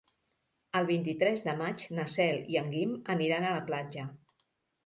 El vint-i-tres de maig na Cel i en Guim aniran a la platja.